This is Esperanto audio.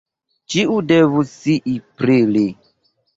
Ĉiu devus scii pri li.